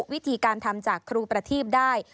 วิธีการทำจากครูประทีพได้